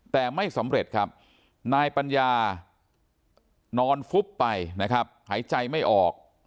แต่ไม่สำเร็จครับนายปัญญานอนฟุบไปนะครับหายใจไม่ออก